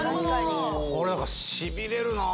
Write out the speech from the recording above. これしびれるな。